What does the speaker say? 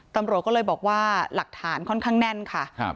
ตำรวจก็เลยบอกว่าหลักฐานค่อนข้างแน่นค่ะ